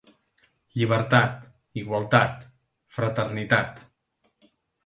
Llibertat, Igualtat, Fraternitat.